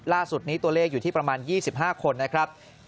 ล่าสุดนี้ตัวเลขอยู่ที่ประมาณ๒๕คนนะครับ